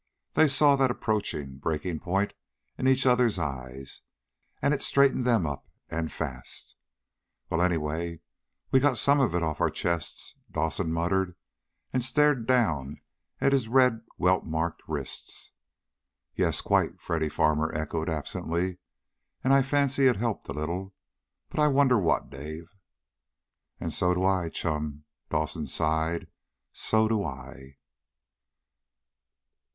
They saw that approaching breaking point in each other's eyes. And it straightened them up, and fast. "Well, anyway, we got some of it off our chests," Dawson muttered, and stared down at his red welt marked wrists. "Yes, quite," Freddy Farmer echoed absently. "And I fancy it helped a little. But I wonder what, Dave?" "And so do I, chum," Dawson sighed. "So do I!"